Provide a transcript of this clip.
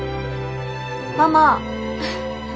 ママ。